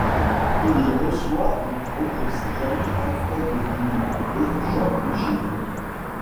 Il y reçoit entre autres ses amis Alfred de Vigny et Jean Gigoux.